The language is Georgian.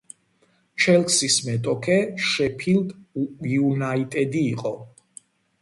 ჩელსის მეტოქე შეფილდ იუნაიტედი იყო.